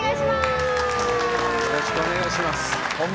よろしくお願いします。